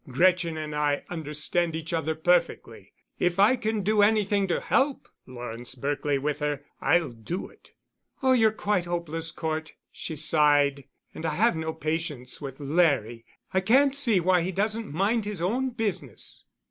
Gretchen and I understand each other perfectly. If I can do anything to help Lawrence Berkely with her, I'll do it." "Oh, you're quite hopeless, Cort," she sighed, "and I have no patience with Larry. I can't see why he doesn't mind his own business."